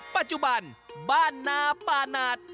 ปัจจุบันบ้านนาปานาศ